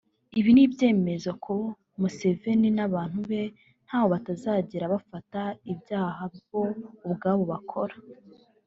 Ibi ni ibyemeza ko Museveni n’abantu be ntaho batazagera bafata ibyaha bo ubwabo bakora